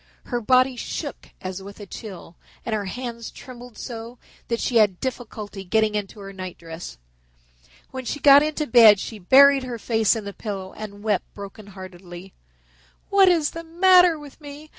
Her body shook as with a chill and her hands trembled so that she had difficulty getting into her nightdress. When she got into bed she buried her face in the pillow and wept brokenheartedly. "What is the matter with me?